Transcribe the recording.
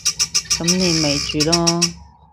噉你咪住囉